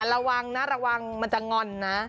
ระวังนะระวังมันจะงอนนะ